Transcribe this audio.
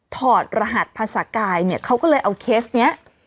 ถอดรหัสภาษากายเนี่ยเขาก็เลยเอาเคสเนี้ย